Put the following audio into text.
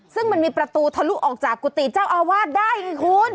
ซึ่งมันมีประตูทะลุออกจากกุฏิเจ้าอาวาสได้ไงคุณ